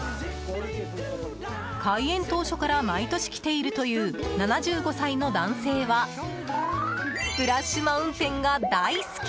開園当初から毎年来ているという７５歳の男性はスプラッシュ・マウンテンが大好き！